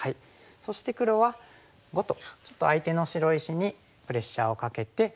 そして黒は⑤とちょっと相手の白石にプレッシャーをかけて。